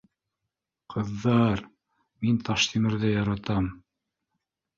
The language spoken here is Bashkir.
— Ҡыҙҙа-ар, мин Таштимерҙе яратам